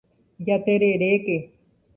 Jatereréke.